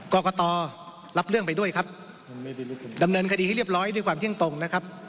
กรกตรับเรื่องไปด้วยครับดำเนินคดีให้เรียบร้อยด้วยความเที่ยงตรงนะครับ